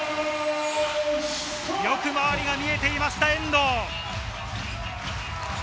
よく周りが見えていました、遠藤。